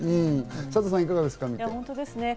サトさん、いかがですか？